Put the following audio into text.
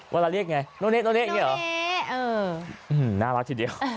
เวลาเรียกไงโนเนโนเนเนี่ยเหรอโนเนเอออืมน่ารักทีเดียว